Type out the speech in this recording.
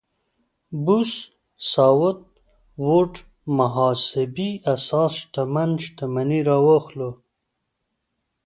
بوث ساوت ووډ محاسبې اساس شتمن شتمني راواخلو.